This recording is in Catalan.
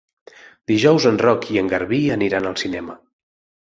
Dijous en Roc i en Garbí aniran al cinema.